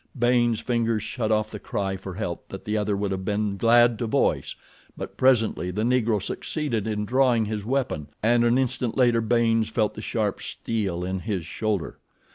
Baynes' fingers shut off the cry for help that the other would have been glad to voice; but presently the Negro succeeded in drawing his weapon and an instant later Baynes felt the sharp steel in his shoulder.